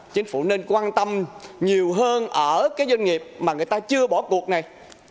chúng ta cũng nên quan tâm nhiều hơn ở cái doanh nghiệp mà người ta chưa bỏ cuộc này